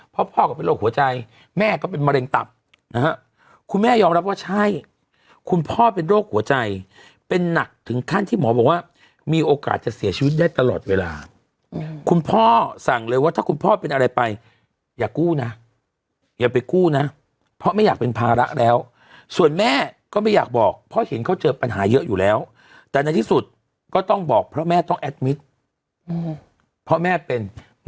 เพราะพ่อก็เป็นโรคหัวใจแม่ก็เป็นมะเร็งตับนะฮะคุณแม่ยอมรับว่าใช่คุณพ่อเป็นโรคหัวใจเป็นหนักถึงขั้นที่หมอบอกว่ามีโอกาสจะเสียชีวิตได้ตลอดเวลาคุณพ่อสั่งเลยว่าถ้าคุณพ่อเป็นอะไรไปอย่ากู้นะอย่าไปกู้นะเพราะไม่อยากเป็นภาระแล้วส่วนแม่ก็ไม่อยากบอกเพราะเห็นเขาเจอปัญหาเยอะอยู่แล้วแต่ในที่สุดก็ต้องบอกเพราะแม่ต้องแอดมิตรเพราะแม่เป็น